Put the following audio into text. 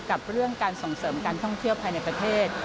กับเรื่องการส่งเสริมการท่องเที่ยวภายในประเทศ